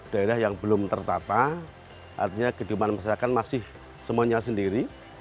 daerah yang belum tertata artinya keduman masyarakat masih semuanya sendiri